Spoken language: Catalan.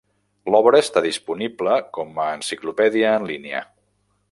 L'obra està disponible com a enciclopèdia en línia.